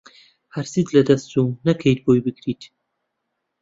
هەرچیت لەدەست چو نەکەیت بۆی بگریت